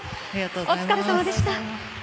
お疲れさまでした。